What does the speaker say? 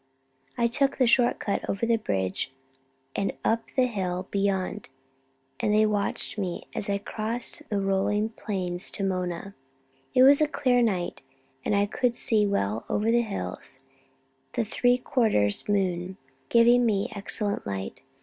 I took the short cut over the bridge, and up the hill beyond, and they watched me as I crossed the rolling plains to Mona. It was a clear night, and I could see well over the hills, the three quarters moon giving me excellent light.